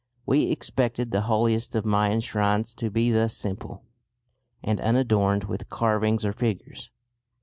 We expected the holiest of Mayan shrines to be thus simple, and unadorned with carvings or figures.